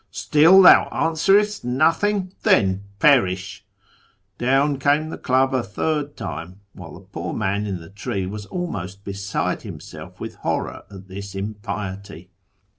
... Still thou answerest nothing ? Then perish !' Down came the club a third time, while the poor man in the tree was almost beside himself with horror at this impiety.